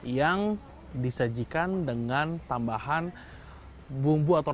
yang disajikan dengan tambahan bumbu atau